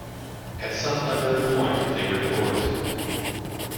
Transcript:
At some unknown point, they were divorced.